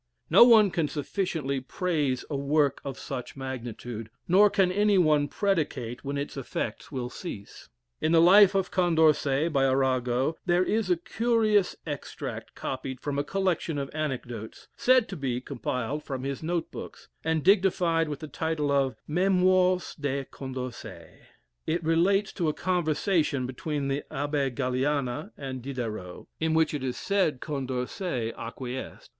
No one can sufficiently praise a work of such magnitude; nor can any one predicate when its effects will cease. In the "Life of Condorcet," by Arago, there is a curious extract copied from a collection of anecdotes, said to be compiled from his note books, and dignified with the title of "Mémoires de Condorcet." It relates to a conversation between the Abbe Galiana and Diderot, in which it is said Condorcet acquiesced.